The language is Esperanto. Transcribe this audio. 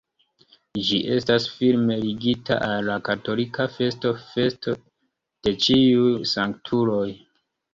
Ĝi estas firme ligita al la katolika festo festo de ĉiuj sanktuloj.